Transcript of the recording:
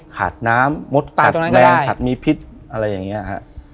ขาดน้ำมดกัดแรงสัตว์มีพิษอะไรอย่างนี้ฮะ